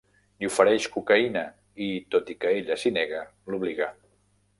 Li ofereix cocaïna i, tot i que ella s'hi nega, l'obliga.